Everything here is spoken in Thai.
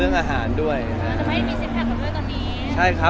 อ๋อน้องมีหลายคน